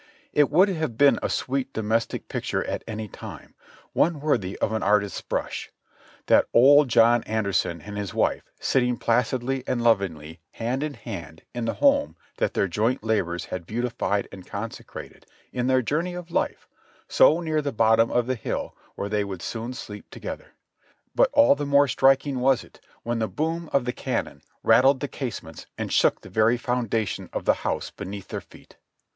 It would have been a sweet domestic picture at any time, one worthy of an artist's brush, that "Old John Anderson" and his wife, sitting placidly and lovingly hand in hand in the home that their joint labors had beautified and consecrated in their journey of life, so near the bottom of the hill where they would soon sleep together ; but all the more striking was it when the boom of the cannon rattled the case ments and shook the very foundation of the house beneath their feet.